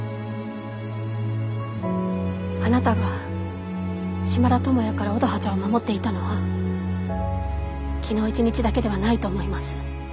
あなたが島田友也から乙葉ちゃんを守っていたのは昨日一日だけではないと思います。